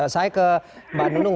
saya ke mbak nunung